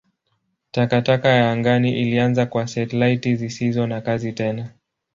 Takataka ya angani ilianza kwa satelaiti zisizo na kazi tena.